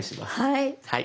はい。